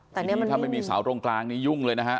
แต่เนี่ยถ้าไม่มีเสาตรงกลางนี้ยุ่งเลยนะฮะ